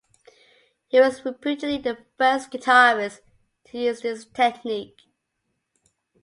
He was reputedly the first guitarist to use this technique.